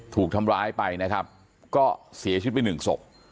ถูกทำร้ายไปนะครับก็เสียชิดไป๑ศพ